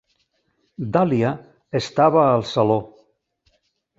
Dahlia estava al saló.